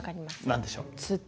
何でしょう？